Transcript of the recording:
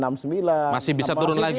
masih bisa turun lagi